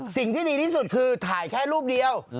สิ่งที่ดีที่สุดคือถ่ายแค่รูปเดียว